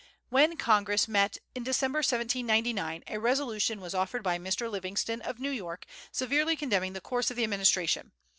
When Congress met in December, 1799, a resolution was offered by Mr. Livingston, of New York, severely condemning the course of the administration.